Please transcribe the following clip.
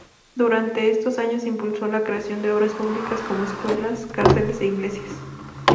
Durante estos años impulsó la creación de obras públicas como escuelas, cárceles e iglesias.